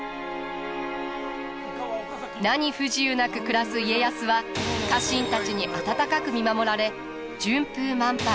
何不自由なく暮らす家康は家臣たちに温かく見守られ順風満帆